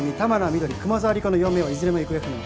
翠熊沢理子の４名はいずれも行方不明。